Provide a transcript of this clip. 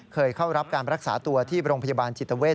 เคยเข้ารับการรักษาตัวที่โรงพยาบาลจิตเวท